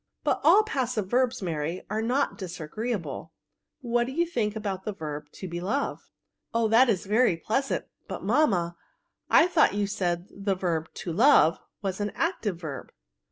But all passive verbs, Mary, are not disagreeable ; what do you think of the verb to be loved?" '^ Oh, that is very pleasant ; but, mamma, I thought you said the verb to love was an active verb."